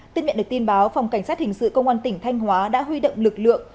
tin miệng được tin báo phòng cảnh sát hình sự công an tỉnh thanh hóa đã huy động lực lượng